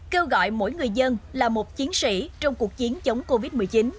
kêu gọi mỗi người dân là một chiến sĩ trong cuộc chiến chống covid một mươi chín